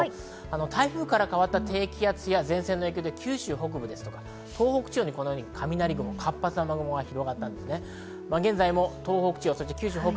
台風から変わった低気圧や前線の影響で九州北部や東北で雷、活発な雨雲が広がっています。